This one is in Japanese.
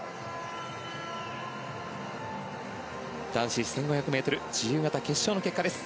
男子１５００ｍ自由形決勝の結果です。